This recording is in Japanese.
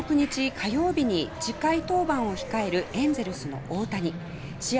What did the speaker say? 火曜日に次回登板を控えるエンゼルスの大谷試合